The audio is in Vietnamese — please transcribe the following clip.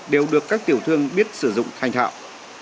đều được các tiểu thương biết sử dụng thanh thạo